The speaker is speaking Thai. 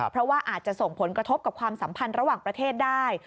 เพราะว่าอาจจะส่งผลกระทบกับความสัมพันธ์ระหว่างประเทศได้